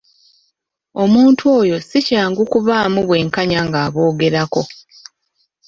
Omuntu oyo si kyangu kubaamu bwenkanya ng'aboogerako.